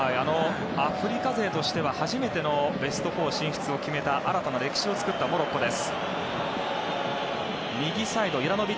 アフリカ勢としては初めてのベスト４進出を決めた新たな歴史を作ったモロッコです。